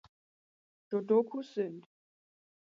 Jodokus sind.